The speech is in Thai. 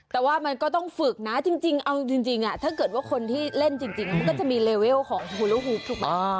แต่ว่ามันก็ต้องฝึกนะจริงเอาจริงถ้าเกิดว่าคนที่เล่นจริงมันก็จะมีเลเวลของฮูโลฮูปถูกไหม